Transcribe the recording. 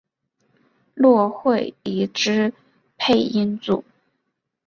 骆慧怡之配音组。